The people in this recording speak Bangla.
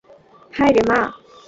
হায়রে, মা!